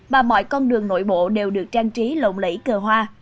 mà mọi con đường nội bộ đều được trang trí lộn lẫy cờ hoa